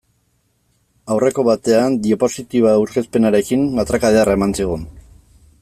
Aurreko batean diapositiba aurkezpenekin matraka ederra eman zigun.